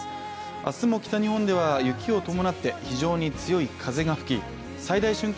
明日も北日本では雪を伴って非常に強い風が吹き最大瞬間